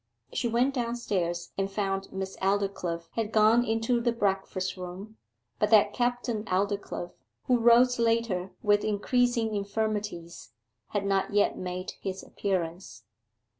She went downstairs and found Miss Aldclyffe had gone into the breakfast room, but that Captain Aldclyffe, who rose later with increasing infirmities, had not yet made his appearance.